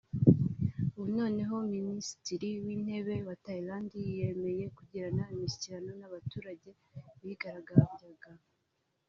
ubu noneho minisitiri w’intebe wa Tayilandi yemeye kugirana imishyikirano n’aba baturage bigaragambyaga